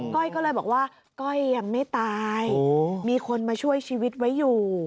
ก้อยก็เลยบอกว่าก้อยยังไม่ตายมีคนมาช่วยชีวิตไว้อยู่